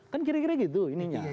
kan kira kira gitu ininya